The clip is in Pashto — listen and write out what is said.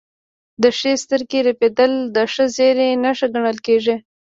د ښي سترګې رپیدل د ښه زیری نښه ګڼل کیږي.